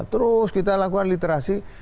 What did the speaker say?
terus kita lakukan literasi